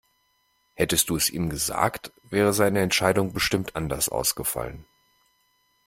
Hättest du es ihm gesagt, wäre seine Entscheidung bestimmt anders ausgefallen.